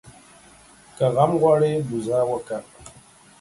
که غم غواړې ، بزه وکه.